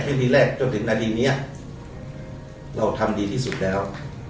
ทีแรกจนถึงนาทีนี้เราทำดีที่สุดแล้ว